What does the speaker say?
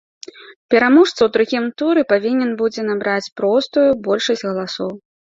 Пераможца ў другім туры павінен будзе набраць простую большасць галасоў.